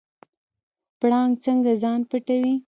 پړانګ څنګه ځان پټوي؟